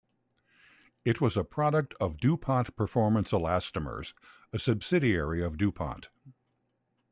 It was a product of DuPont Performance Elastomers, a subsidiary of DuPont.